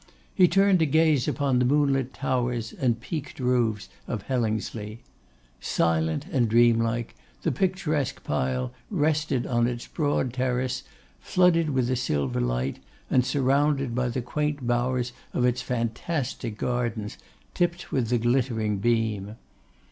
He turned to gaze upon the moonlit towers and peaked roofs of Hellingsley. Silent and dreamlike, the picturesque pile rested on its broad terrace flooded with the silver light and surrounded by the quaint bowers of its fantastic gardens tipped with the glittering beam.